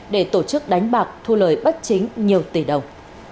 để tổ chức đánh bạc thu lời bất chính nhiều tỷ đồng